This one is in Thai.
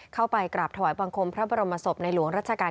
เข้าไปกราบถวายบังคมพระบรมศพในหลวงรัชกาล